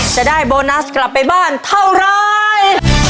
จะได้โบนัสกลับไปบ้านเท่าไร